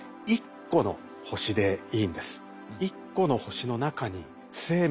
１個の星でいいんです。